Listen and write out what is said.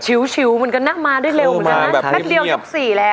ฉิวเหมือนกันนะมาด้วยเร็วเหมือนกันนะแป๊บเดียวยกสี่แล้ว